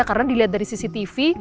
karena dilihat dari cctv